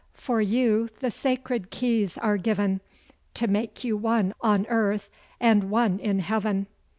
for you the sacred Keys are given, To make you one on earth, and one in heaven.